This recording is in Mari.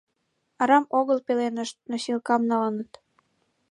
Арам огыл пеленышт носилкам налыныт.